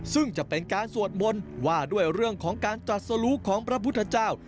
ซึ่งจะเป็นการสวดมนต์ว่าด้วยเรื่องของการจัดสลูของพระพุทธเจ้า